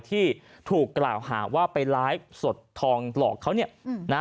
ที่ถูกกล่าวหาว่าไปไลฟ์สดทองหลอกเขา